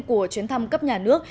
của chuyến thăm cấp nhà nước